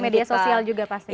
luar media sosial juga pastinya